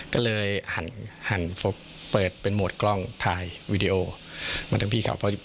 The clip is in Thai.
ก็เลยหันเปิดเป็นโหมดกล้องถ่ายวีดีโอมาทั้งพี่เขา